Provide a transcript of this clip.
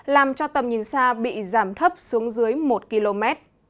làm cho tầm nhìn xa bị giảm thấp xuống dưới một km